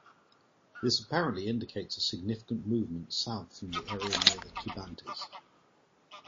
This apparently indicates a significant movement south from the area near the Tubantes.